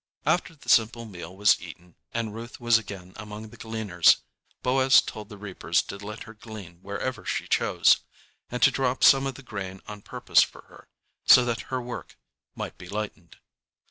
After the simple meal was eaten and Ruth was again among the gleaners, Boaz told the reapers to let her glean wherever she chose, and to drop some of the grain on purpose for her, so that her work might be lightened.